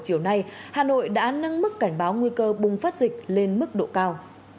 chiều nay hà nội đã nâng mức cảnh báo nguy cơ bùng phát dịch lên mức độ cao